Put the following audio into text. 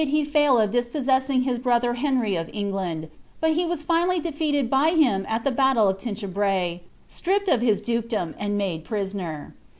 71 ne fail of dispoesessing his brother Henry of England, bnt he was finally defeated by him at the battle of Tinchebray, stripped of his dukedom, and made prisoner.